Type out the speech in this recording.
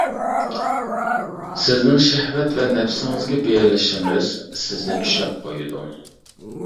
سىزنىڭ شەھۋەت ۋە نەپسىڭىزگە بېرىلىشىڭىز سىزنى چۈشەپ قويىدۇ.